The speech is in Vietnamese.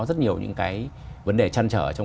rất nhiều những cái vấn đề chăn trở trong